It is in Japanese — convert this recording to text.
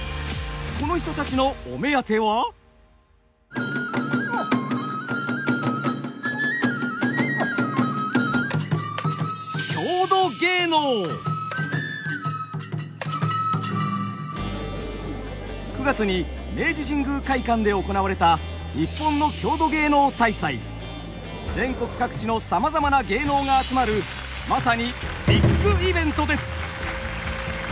この人たちの９月に明治神宮会館で行われた全国各地のさまざまな芸能が集まるまさにビッグイベントです。